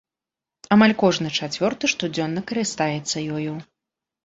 Амаль кожны чацвёрты штодзённа карыстаецца ёю.